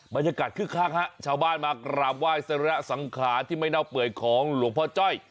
บรรยากาศขึ้นข้างชาวบ้านมากราบไหว้เสร็จศังขาดที่ไม่น่าเปื่อยของหลวงพ่อจ้อย